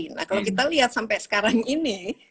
nah kalau kita lihat sampai sekarang ini